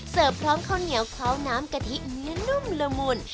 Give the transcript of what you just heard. พร้อมข้าวเหนียวเขาน้ำกะทิเนื้อนุ่มละมุน